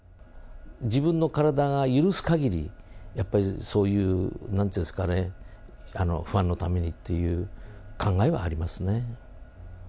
自分の体が許すかぎり、やっぱりそういうなんていうんですかね、ファンのためにっていう考えはありますね。